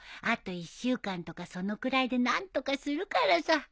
あと１週間とかそのくらいで何とかするからさ。